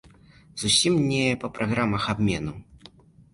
Зусім не па праграмах абмену.